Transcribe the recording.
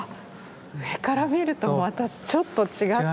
上から見るとまたちょっと違う。